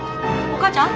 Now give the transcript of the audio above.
お母ちゃん？